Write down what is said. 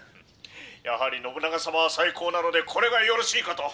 「やはり信長様は最高なのでこれがよろしいかと」。